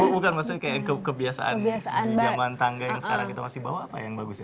bukan maksudnya kayak kebiasaan di zaman tangga yang sekarang kita masih bawa apa yang bagus ya